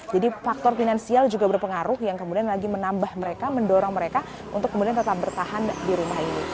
jadi faktor finansial juga berpengaruh yang kemudian lagi menambah mereka mendorong mereka untuk kemudian tetap bertahan di rumah ini